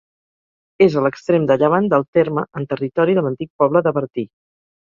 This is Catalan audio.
És a l'extrem de llevant del terme, en territori de l'antic poble de Bertí.